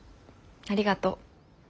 ありがとう。